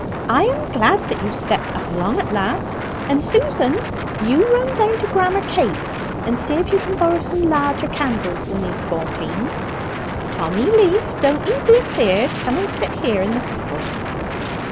"I am glad that you've stepped up along at last; and, Susan, you run down to Grammer Kaytes's and see if you can borrow some larger candles than these fourteens. Tommy Leaf, don't ye be afeard! Come and sit here in the settle."